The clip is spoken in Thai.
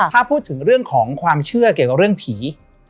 ถ้าพูดถึงเรื่องของความเชื่อเกี่ยวกับเรื่องผี